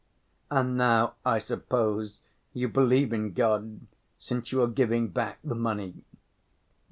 "And now, I suppose, you believe in God, since you are giving back the money?"